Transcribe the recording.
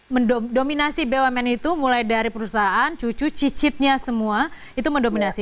mendominasi bumn itu mulai dari perusahaan cucu cicitnya semua itu mendominasi